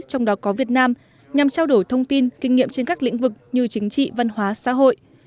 trong đó có việt nam nhằm trao đổi thông tin kinh nghiệm trên các lĩnh vực như chính trị văn hóa xã hội